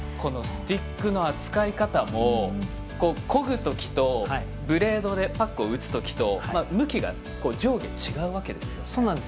スティックの扱い方もこぐときとブレードでパックを打つときと向きが上下違うわけですよ。